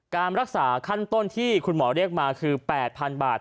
การรักษาขั้นต้นที่คุณหมอเรียกมาคือ๘๐๐๐บาท